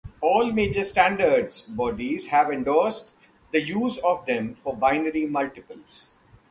All major standards bodies have endorsed the use of them for binary multiples.